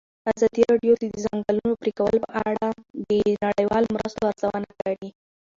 ازادي راډیو د د ځنګلونو پرېکول په اړه د نړیوالو مرستو ارزونه کړې.